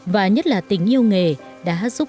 và nhất là tính yêu nghề đã giúp